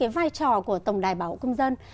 vai trò của tổng đài bảo hộ công dân